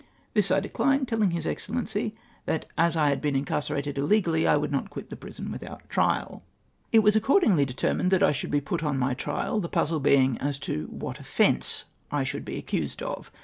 This I dechned, telhng His Excellency that as I had been incarcerated illegally I would not quit the prison without trial. It was accordingly determined that I should be put on my trial, the puzzle being as to what offence I should be accused of.